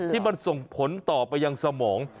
ที่มันส่งผลต่อไปยังสมอง